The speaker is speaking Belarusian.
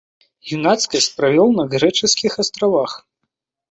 Юнацкасць правёў на грэчаскіх астравах.